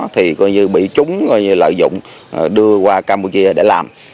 thì gọi như bị chúng gọi như lợi dụng đưa qua campuchia để làm